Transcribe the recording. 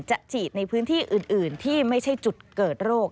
จะฉีดในพื้นที่อื่นที่ไม่ใช่จุดเกิดโรค